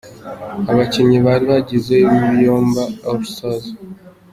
Abakinnyi bari bagize Biyombo All Stars.